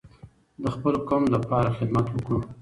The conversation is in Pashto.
د خپل قام لپاره خدمت وکړو.